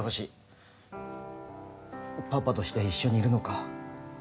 男として一緒にいるのか。